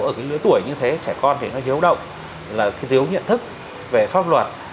ở lưới tuổi như thế trẻ con thì nó hiếu động hiếu nhận thức về pháp luật